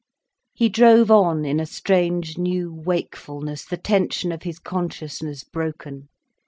He drove on in a strange new wakefulness, the tension of his consciousness broken.